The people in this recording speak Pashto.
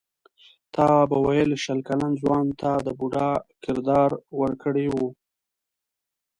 تا به ویل شل کلن ځوان ته د بوډا کردار ورکړی وي.